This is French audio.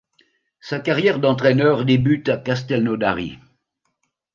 Sa carrière d'entraîneur débute à Castelnaudary.